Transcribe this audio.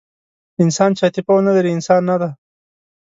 انسان چې عاطفه ونهلري، انسان نهدی.